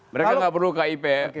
mereka gak perlu kip